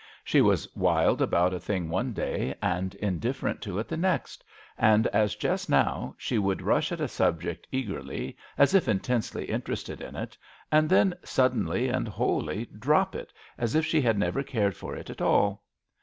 She was wild about a thing one day and indifferent to it the next, and, as just now, she would rush at a subject eagerly as if intensely interested in it and then suddenly and wholly drop it as if she had never cared for it at all.